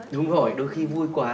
đúng rồi đôi khi vui quá